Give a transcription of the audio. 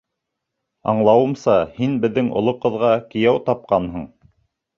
Аңлауымса, һин беҙҙең оло ҡыҙға кейәү тапҡанһың.